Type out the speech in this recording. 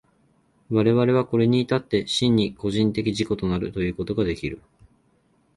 我々はこれに至って真に個人的自己となるということができる。